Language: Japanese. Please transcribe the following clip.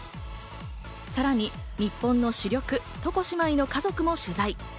さらに日本の主力、床姉妹の家族も取材。